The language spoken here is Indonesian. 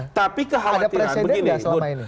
ada presiden tidak selama ini